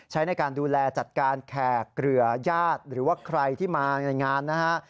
ใช้ในการดูแลจัดการแขกเรือญาติหรือว่าใครที่มาในงานนะฮะ